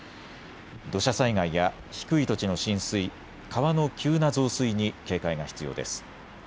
土砂災害や低い土地の浸水、川の急な増水に警戒が必要です。